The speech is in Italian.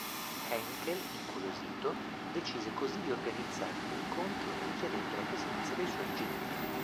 Heinkel, incuriosito, decise così di organizzare un incontro richiedendo la presenza dei suoi ingegneri.